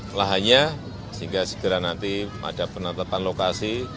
telahnya sehingga segera nanti ada penatapan lokasi